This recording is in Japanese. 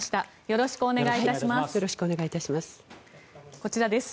よろしくお願いします。